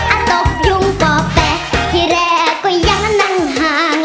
ตกยุงป่อแตะที่แรกก็ยังนั่งห่าง